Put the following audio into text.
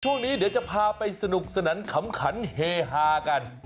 ช่วงนี้เดี๋ยวจะพาไปสนุกสนานขำขันเฮฮากัน